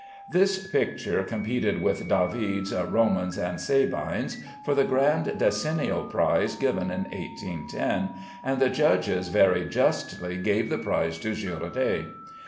This picture competed with David's "Romans and Sabines" for the grand decennial prize given in 1810, and the judges very justly gave the prize to Girodet.